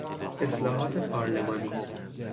اصلاحات پارلمانی